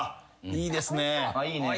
いいですね。